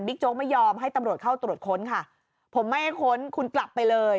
โจ๊กไม่ยอมให้ตำรวจเข้าตรวจค้นค่ะผมไม่ให้ค้นคุณกลับไปเลย